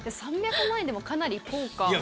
３００万円でもかなり高価。